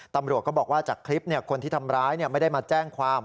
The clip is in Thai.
ตำรวจก็บอกว่าจากคลิปคนที่ทำร้ายไม่ได้มาแจ้งความ